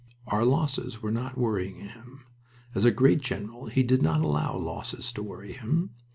Our losses were not worrying him. As a great general he did not allow losses to worry him.